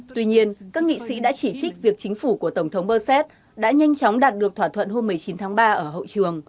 tuy nhiên các nghị sĩ đã chỉ trích việc chính phủ của tổng thống berset đã nhanh chóng đạt được thỏa thuận hôm một mươi chín tháng ba ở hội trường